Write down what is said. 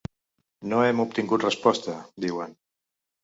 No hem obtingut resposta, diuen.